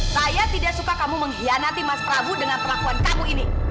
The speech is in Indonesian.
saya tidak suka kamu mengkhianati mas prabu dengan perlakuan kamu ini